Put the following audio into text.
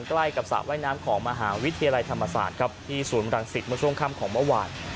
ใกล้กับสระว่ายน้ำของมหาวิทยาลัยธรรมศาสตร์ครับที่ศูนย์รังสิตเมื่อช่วงค่ำของเมื่อวาน